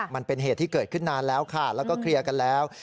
มันเป็นเหตุที่เกิดขึ้นนานแล้วค่ะแล้วก็เคลียร์กันแล้ว